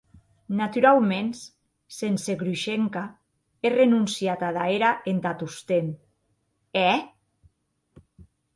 Naturauments, sense Grushenka e renonciant ada era entà tostemp, è?